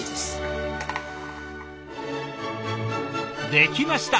できました！